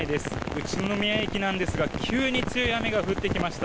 宇都宮駅なんですが急に強い雨が降ってきました。